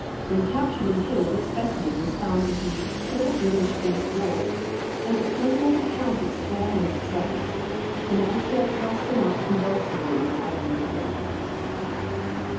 When captured and killed, this specimen was found to be four English feet broad, and it was possible to count its four hundred suckers. The monster thrust them out convulsively in the agony of death.